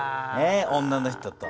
女の人と。